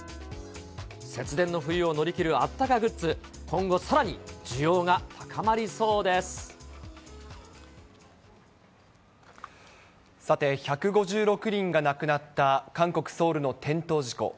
節電の冬を乗り切るあったかグッズ、今後、さて、１５６人が亡くなった韓国・ソウルの転倒事故。